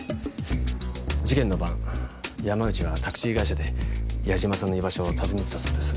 事件の晩山内はタクシー会社で八嶋さんの居場所を尋ねてたそうです。